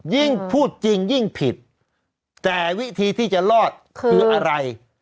ยิ่งพูดจริงยิ่งผิดแต่วิธีที่จะรอดคืออะไร